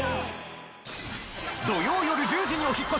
土曜よる１０時にお引っ越し！